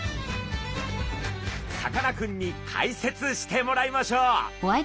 さかなクンに解説してもらいましょう！